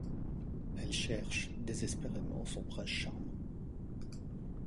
Elle cherche désespérément son prince charmant.